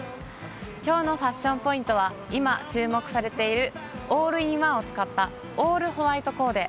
きょうのファッションポイントは、今、注目されているオールインワンを使ったオールホワイトコーデ。